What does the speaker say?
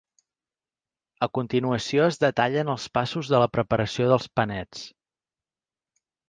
A continuació es detallen els passos de la preparació dels panets.